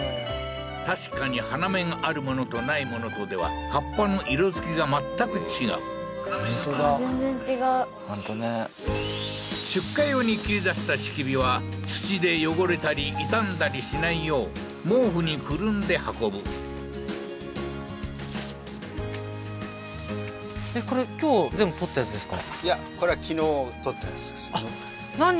確かに花芽があるものとないものとでは葉っぱの色づきが全く違う本当だ全然違う本当ね出荷用に切り出した櫁は土で汚れたり傷んだりしないよう毛布に包んで運ぶだからそうなんですか